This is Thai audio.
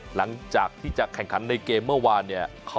หลังจากที่จะแข่งขันในเกมเมื่อวานเนี่ย